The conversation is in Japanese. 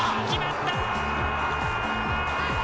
決まった！